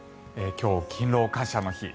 今日、勤労感謝の日。